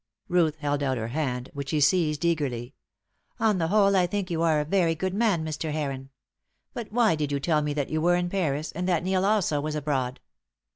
Ruth held out her hand, which he seized eagerly. "On the whole I think you are a very good man, Mr. Heron. But why did you tell me that you were in Paris, and that Neil also was abroad?"